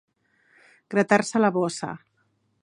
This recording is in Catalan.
Gratar-se la bossa.